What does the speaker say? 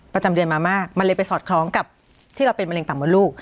ประจำเดือนมามากมันเลยไปสอดคล้องกับที่เราเป็นมะเร็มดลูก